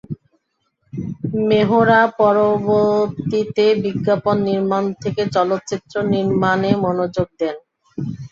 মেহরা পরবর্তীতে বিজ্ঞাপন নির্মাণ থেকে চলচ্চিত্র নির্মাণে মনোযোগ দেন।